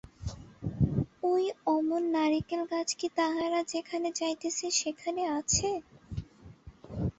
ওই অমন নারিকেল গাছ কি তাহারা যেখানে যাইতেছে সেখানে আছে?